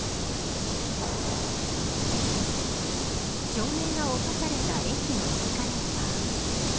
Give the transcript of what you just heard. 照明が落とされた駅のエスカレーター。